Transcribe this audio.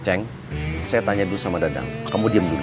ceng saya tanya dulu sama dadang kamu diam dulu